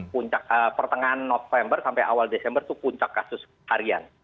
puncak pertengahan november sampai awal desember itu puncak kasus harian